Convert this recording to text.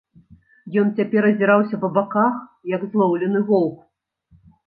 Ён цяпер азіраўся па баках, як злоўлены воўк.